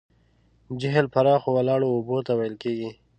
جهیل پراخو ولاړو اوبو ته ویل کیږي.